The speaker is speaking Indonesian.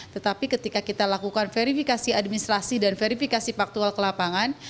tetapi ketika kita lakukan verifikasi administrasi dan verifikasi faktual ke lapangan